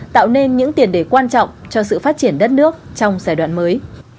tạo nên những tiền đề quan trọng cho sự phát triển đất nước trong giai đoạn mới